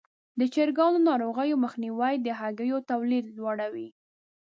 د چرګانو ناروغیو مخنیوی د هګیو تولید لوړوي.